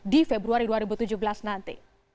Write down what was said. di februari dua ribu tujuh belas nanti